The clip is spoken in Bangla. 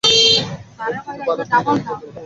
এর থেকে ভালো কাহিনী আমিই বলতে পারি।